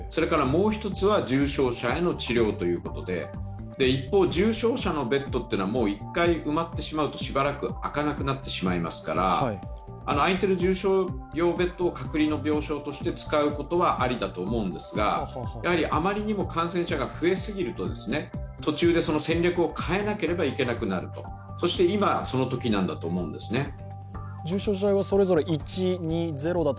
もう１つは重症者への治療ということで一方、重症者のベッドは１回埋まってしまうとしばらくあかなくなってしまいますから、空いている重症用ベッドを隔離として使うことはありだと思うんですがあまりにも感染者が増えすぎると途中でその戦略を変えなければいけなくなるそして今、そのときなんだと思うんですね。